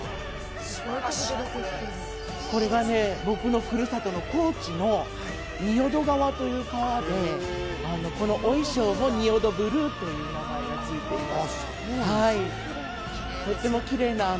これが僕のふるさとの高知の仁淀川という川でお衣装も仁淀ブルーっていう名前がついています。